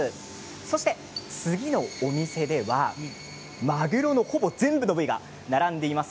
そして次の店ではまぐろのほぼ全部の部位が並んでいます。